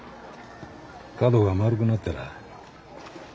角が丸くなってら。